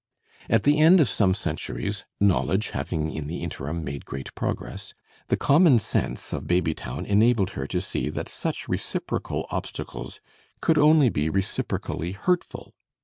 At the end of some centuries, knowledge having in the interim made great progress, the common sense of Babytown enabled her to see that such reciprocal obstacles could only be reciprocally hurtful.